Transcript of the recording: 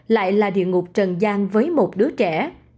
là địa ngục trần gian với một đứa trẻ